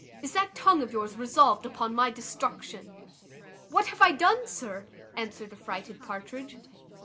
is that tongue of yours resolved upon my destruction?" "What have I done, sir?" answered affrighted Partridge.